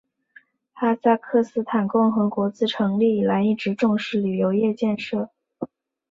哈萨克斯坦共和国自成立以来一直重视旅游业建设。